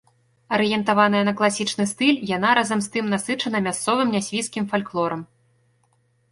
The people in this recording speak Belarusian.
Арыентаваная на класічны стыль, яна разам з тым насычана мясцовым нясвіжскім фальклорам.